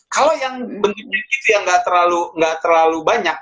kalau yang bentuknya gitu yang gak terlalu banyak